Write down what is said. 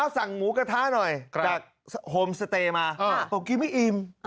สั่งหมูกระทะหน่อยจากโฮมสเตย์มาบอกกินไม่อิ่ม